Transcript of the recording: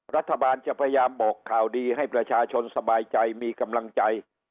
รัฐบาลจะพยายามบอกข่าวดีให้ประชาชนสบายใจมีกำลังใจ